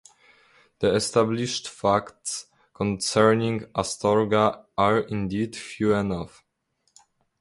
The established facts concerning Astorga are indeed few enough.